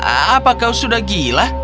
apa kau sudah gila